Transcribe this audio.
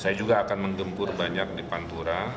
saya juga akan menggempur banyak di pantura